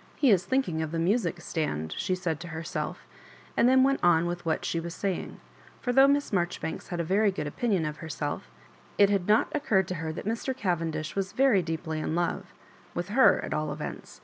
" He is thinking of the music stand," she said to herself, and then went on with what she was saying; for though Miss Marjoribanks had a very good opinion of herself, it had not occurred to her tliat Mr. Cavendish was very deeply in love —with her, at all events.